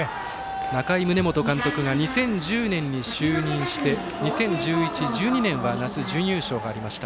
仲井宗基監督が２０１０年に就任して２０１１、１２年は夏、準優勝がありました。